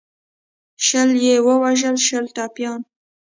شل یې ووژل شل ټپیان.